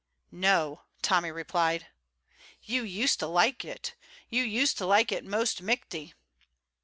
"No," Tommy replied. "You used to like it; you used to like it most michty."